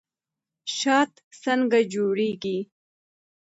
شات څنګه جوړیږي؟